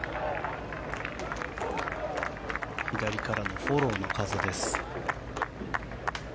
左からのフォローの風です。